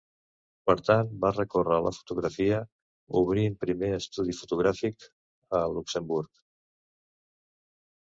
Per tant, va recórrer a la fotografia, obrint primer estudi fotogràfic a Luxemburg.